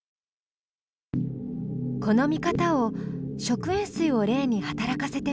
この見方を食塩水を例に働かせてみよう。